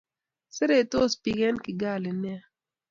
Seretos pik en Kigali nea